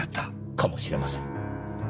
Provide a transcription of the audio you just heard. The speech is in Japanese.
かもしれません。